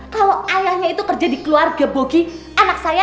kalau ayahnya itu kerja di keluarga bogi anak saya